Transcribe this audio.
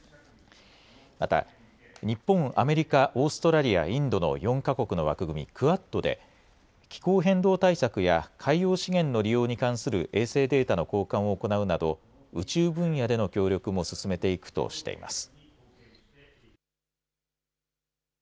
また日本、アメリカ、オーストラリア、インドの４か国の枠組みクアッドで気候変動対策や海洋資源の利用に関する衛星データの交換を行うなど宇宙分野での協力も進めていくとしています。